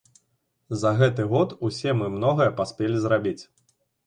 За гэты год усе мы многае паспелі зрабіць.